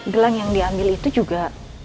gelang yang diambil itu juga